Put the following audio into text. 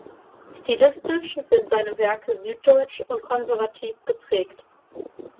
Stilistisch sind seine Werke süddeutsch und konservativ geprägt.